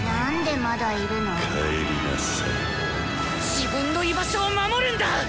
自分の居場所を守るんだ！